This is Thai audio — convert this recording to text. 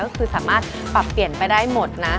ก็คือสามารถปรับเปลี่ยนไปได้หมดนะ